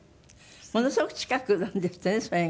ものすごく近くなんですってねそれが。